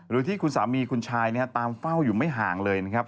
โดยที่คุณสามีคุณชายตามเฝ้าอยู่ไม่ห่างเลยนะครับ